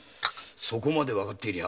そこまでわかってりゃ。